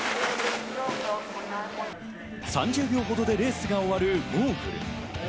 ３０秒ほどでレースが終わるモーグル。